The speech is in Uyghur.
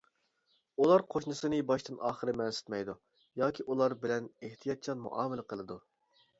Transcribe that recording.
ئۇلار قوشنىسىنى باشتىن ئاخىر مەنسىتمەيدۇ ياكى ئۇلار بىلەن ئېھتىياتچان مۇئامىلە قىلىدۇ.